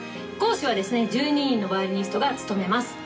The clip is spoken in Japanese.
講師は、１２人のヴァイオリニストが務めます。